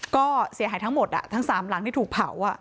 ก็เสียหายทั้งหมดอ่ะทั้งสามหลังที่ถูกเผาอ่ะ